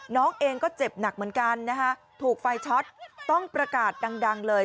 น้องเองก็เจ็บหนักเหมือนกันนะคะถูกไฟช็อตต้องประกาศดังเลย